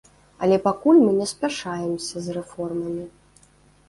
Але пакуль мы не спяшаемся з рэформамі.